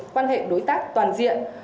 quan hệ đối tác toàn diện